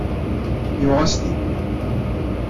Yuɣ-as-t-id.